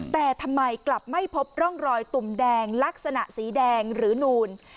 แต่ทำไมกลับไม่พบร่องรอยตุ่มแดงลักษณะสีแดงหรือนูน